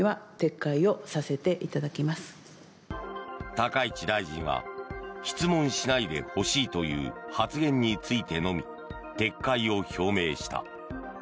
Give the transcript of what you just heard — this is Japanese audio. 高市大臣は質問しないでほしいという発言についてのみ撤回を表明した。